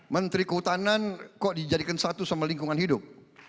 menteri kehutanan kok dijadikan satu sama lingkungan hidup